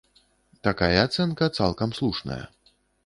Такая ацэнка цалкам слушная.